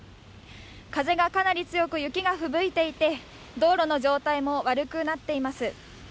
風がかなり強く、雪がふぶいていて、道路の状態も悪くなっています。